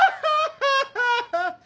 ハハハハハ！